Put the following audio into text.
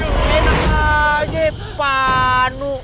enak aja panu